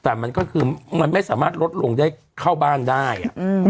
แต่มันก็คือมันไม่สามารถลดลงได้เข้าบ้านได้